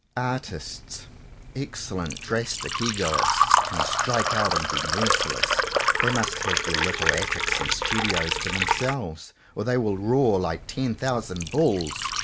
Artists, excellent drastic egoists, can strike out and be merciless. They must have their little attics and studios to them selves, or they will roar like ten thousand bulls.